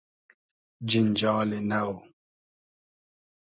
جینجالی نۆ